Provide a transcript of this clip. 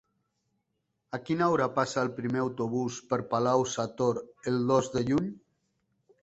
A quina hora passa el primer autobús per Palau-sator el dos de juny?